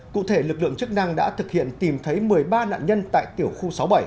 cụ thể lực lượng chức năng đã thực hiện tìm thấy một mươi ba nạn nhân tại tiểu khu sáu mươi bảy